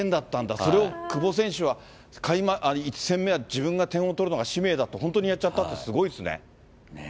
それを久保選手は、１戦目は自分が点を取るのが使命だって、本当やっちゃったって、ねえ。